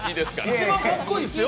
一番かっこいいっすよ。